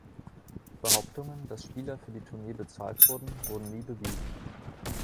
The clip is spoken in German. Behauptungen, dass Spieler für die Tournee bezahlt wurden, wurden nie bewiesen.